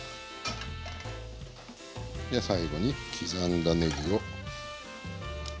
で最後に刻んだねぎを。